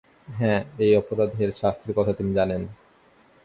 হ্যাঁ, এই অপরাধের শাস্তির কথা তিনি জানেন।